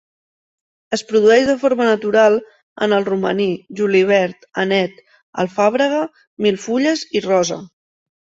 Es produeix de forma natural en el romaní, julivert, anet, alfàbrega, milfulles i rosa.